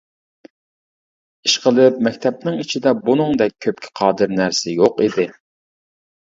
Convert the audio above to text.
ئىشقىلىپ مەكتەپنىڭ ئىچىدە بۇنىڭدەك كۆپكە قادىر نەرسە يوق ئىدى.